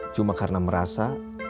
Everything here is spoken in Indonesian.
cuma karena merasa